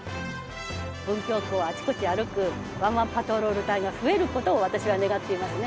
文京区をあちこち歩くワンワンパトロール隊が増える事を私は願っていますね。